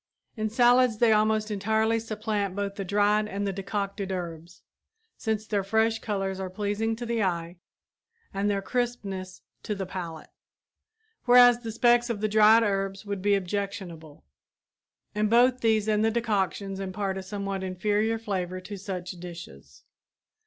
In salads they almost entirely supplant both the dried and the decocted herbs, since their fresh colors are pleasing to the eye and their crispness to the palate; whereas the specks of the dried herbs would be objectionable, and both these and the decoctions impart a somewhat inferior flavor to such dishes.